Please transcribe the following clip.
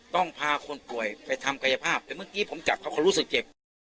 ต้องพาคนป่วยไปทำกายภาพแต่เมื่อกี้ผมจับเขาก็รู้สึกเจ็บ